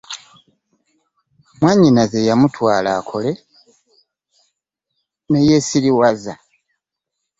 Mwannyina yamutwala akole ne yeesiruwaza.